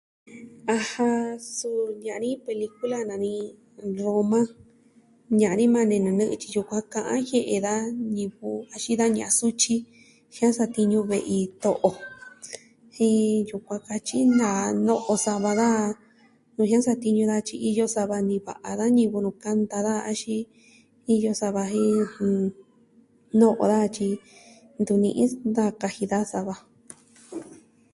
Ajan, suu ne'ya ni pelikula nani Roma, ne'ya ni majan nenu nɨ'ɨ tyi yukuan ka'an jie'e da ñivɨ axin da ña'an sutyi jia'an satiñu ve'i to'o jen yukuan katyi naa no'o sava daja nuu jia'an satiñu daja tyi iyo sava niva'a da ñivɨ nuu kanta daja axin iyo sava jen no'o daja tyi ntu ni'i daja kaji daja sava.